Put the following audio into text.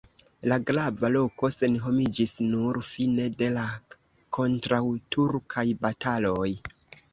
La grava loko senhomiĝis nur fine de la kontraŭturkaj bataloj.